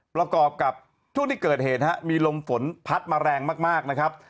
ประกอบกับช่วงที่เกิดเหตุมีลมฝนพัดมาแรงมากนะครับ